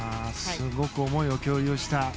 すごく思いを共有した。